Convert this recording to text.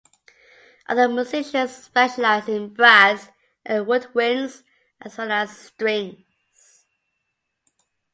Other musicians specialize in brass and woodwinds as well as strings.